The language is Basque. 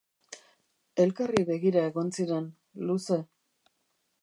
Elkarri begira egon ziren, luze.